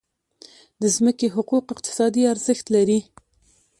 د ځمکې حقوق اقتصادي ارزښت لري.